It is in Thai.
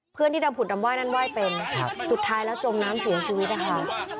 เพื่อนที่ดำผุดดำไหว่นั่นว่ายเป็นครับสุดท้ายแล้วจมน้ำถึงชีวิตค่ะ